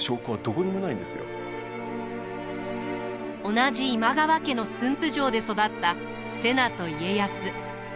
同じ今川家の駿府城で育った瀬名と家康。